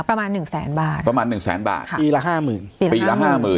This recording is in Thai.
ประมาณหนึ่งแสนบาทประมาณหนึ่งแสนบาทปีละห้าหมื่นปีละห้าหมื่น